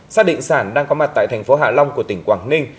xác định sản đang có mặt tại thành phố hạ long của tỉnh quảng ninh